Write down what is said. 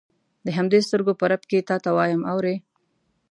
د همدې سترګو په رپ کې تا ته وایم اورې.